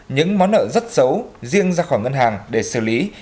những món nợ rất xấu riêng ra khỏi ngân hàng để xử lý